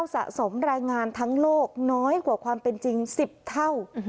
สะสมรายงานทั้งโลกน้อยกว่าความเป็นจริง๑๐เท่า